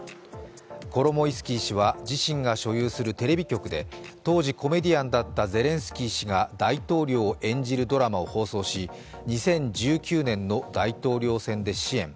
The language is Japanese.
コロモイスキー氏は自身が所有するテレビ局で当時コメディアンだったゼレンスキー氏が大統領を演じるドラマを放送し２０１９年の大統領選で支援。